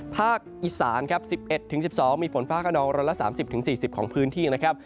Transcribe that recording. ภาคอีสาน๑๑๑๒มีฝนฟ้าขนองร้อยละ๓๐๔๐ของพื้นที่นะครับ